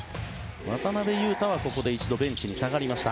渡邊雄太は一度ベンチに下がりました。